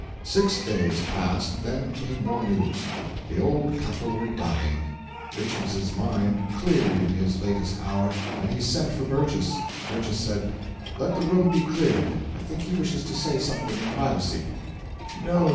Six days passed, then came more news. The old couple were dying. Richards's mind cleared in his latest hour, and he sent for Burgess. Burgess said: "Let the room be cleared. I think he wishes to say something in privacy." "No!"